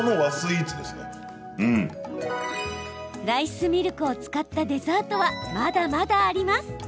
ライスミルクを使ったデザートは、まだまだあります。